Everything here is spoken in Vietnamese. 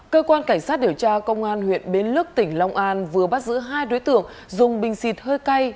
cơ quan cảnh sát điều tra công an huyện bến lức tỉnh long an vừa bắt giữ hai đối tượng dùng bình xịt hơi cay